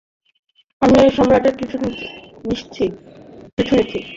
আমি সম্রাটের পিছু নিচ্ছি!